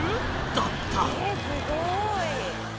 だった